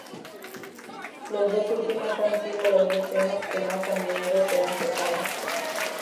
Las dos últimas han sido los temas que más a menudo se han tocado.